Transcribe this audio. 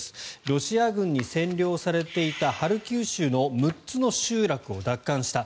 ロシア軍に占領されていたハルキウ州の６つの集落を奪還した。